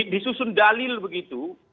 disusun dalil begitu